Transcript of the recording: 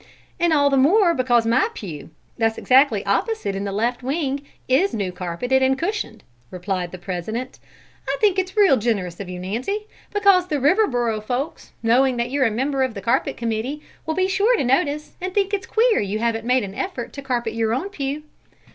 And all the more because my pew, that's exactly opposite in the left wing, is new carpeted and cushioned," replied the president. "I think it's real generous of you, Nancy, because the Riverboro folks, knowing that you're a member of the carpet committee, will be sure to notice, and think it's queer you haven't made an effort to carpet your own pew."